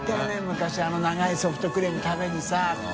昔あの長いソフトクリーム食べにさって。